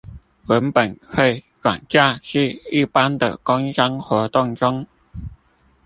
原本會轉嫁至一般的工商活動中